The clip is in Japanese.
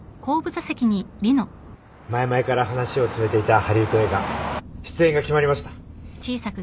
前々から話を進めていたハリウッド映画出演が決まりました。